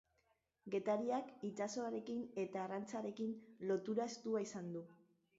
Getariak itsasoarekin eta arrantzarekin lotura estua izan du.